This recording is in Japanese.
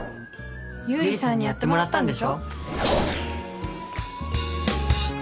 ゆうりさんにやってもらったんでしょ？